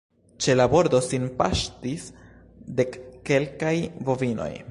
Ĉe la bordo sin paŝtis dekkelkaj bovinoj.